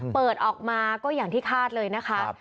เปิดออกมาก็อย่างที่คาดเลยนะคะ